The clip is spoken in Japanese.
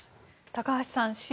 高橋さん